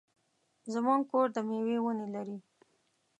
زمونږ کور د مېوې ونې لري.